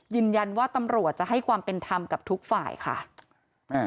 ยืนยันว่าตำรวจจะให้ความเป็นธรรมกับทุกฝ่ายค่ะอ่า